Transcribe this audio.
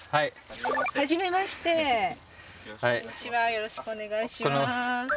よろしくお願いします。